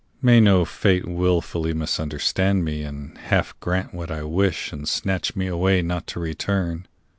May no fate willfully misunderstand me And half grant what I wish and snatch me away Not to return.